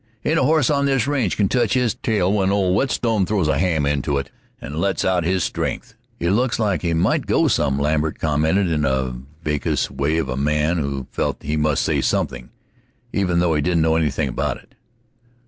Ain't a horse on this range can touch his tail when old Whetstone throws a ham into it and lets out his stren'th." "He looks like he might go some," Lambert commented in the vacuous way of a man who felt that he must say something, even though he didn't know anything about it.